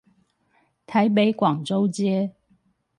台北廣州街